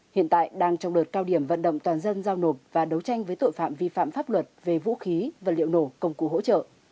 hiện tại đang trong đợt cao điểm vận động toàn dân giao nộp và đấu tranh với tội phạm vi phạm pháp luật về vũ khí vật liệu nổ công cụ hỗ trợ